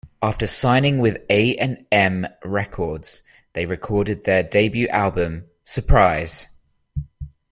After signing with A and M Records, they recorded their debut album Surprise!